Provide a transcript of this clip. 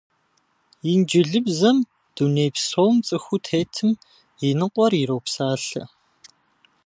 Инджылызыбзэм дуней псом цӀыхуу тетым и ныкъуэр иропсалъэ!